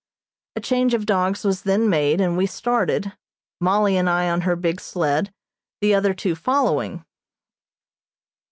A change of dogs was then made, and we started Mollie and I on her big sled, the other two following.